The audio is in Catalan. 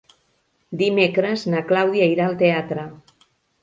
Dimecres na Clàudia irà al teatre.